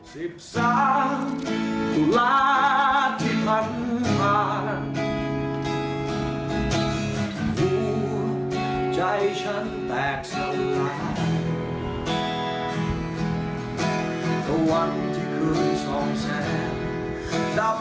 สิบสามธุระที่ผ่านผ่านถึงรู้ใจฉันแตกสำหรับ